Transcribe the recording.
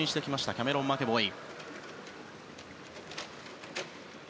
キャメロン・マケボイ。